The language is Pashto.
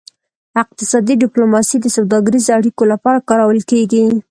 اقتصادي ډیپلوماسي د سوداګریزو اړیکو لپاره کارول کیږي